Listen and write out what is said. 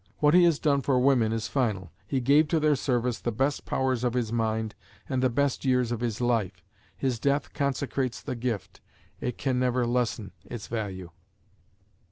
What he has done for women is final: he gave to their service the best powers of his mind and the best years of his life. His death consecrates the gift: it can never lessen its value.